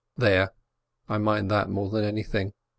There — I mind that more than anything.